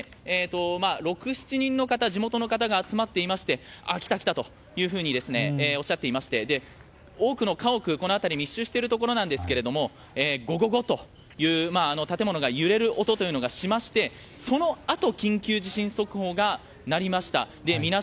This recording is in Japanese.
６７人の地元の方が集まっていましてあ、来た来たとおっしゃっていましてこの辺りは多くの家屋が密集しているところなんですけれどもゴゴゴという建物が揺れる音がしましてそのあと、緊急地震速報が鳴りました。